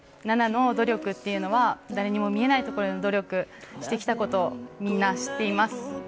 菜那の努力というのは誰にも見えないところで努力してきたことをみんな知っています。